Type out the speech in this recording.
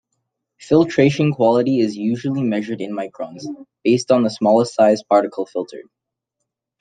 Filtration quality is usually measured in microns, based on the smallest size particle filtered.